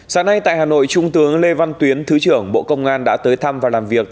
sáng nay tại hà nội trung tướng lê văn tuyến thứ trưởng bộ công an đã tới thăm và làm việc